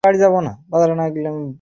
কাল তোর বাড়িতে গিয়ে সম্পর্কটা পাকা করবো।